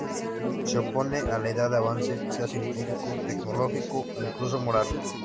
Se oponen a la idea de avance, sea científico, tecnológico o incluso moral.